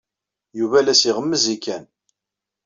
Yuba la as-iɣemmez i Ken.